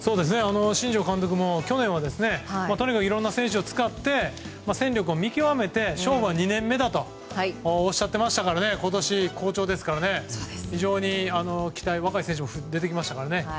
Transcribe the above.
新庄監督も去年はいろんな選手を使って戦力を見極めて勝負は２年目だとおっしゃっていましたから今年、好調ですから非常に若い選手も出てきましたからね。